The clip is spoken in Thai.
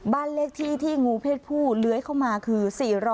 บ้านเลขที่ที่งูเพศผู้เลื้อยเข้ามาคือ๔๐